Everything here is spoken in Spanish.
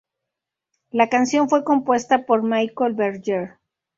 La canción fue compuesta por Michel Berger.